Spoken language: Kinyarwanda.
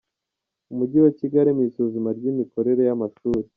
Umujyi wa Kigali mu isuzuma ry’imikorere y’amashuri